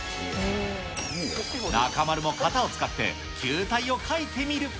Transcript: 中丸も型を使って、球体を描いてみる。